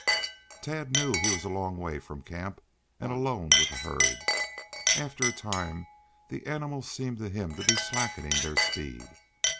Tad knew he was a long way from camp and alone with the herd. After a time the animals seemed to him to be slackening their speed.